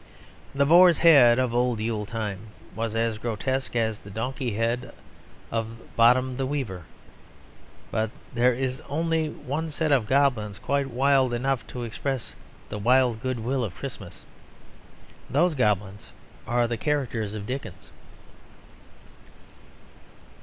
The boar's head of old Yule time was as grotesque as the donkey's head of Bottom the Weaver. But there is only one set of goblins quite wild enough to express the wild goodwill of Christmas. Those goblins are the characters of Dickens.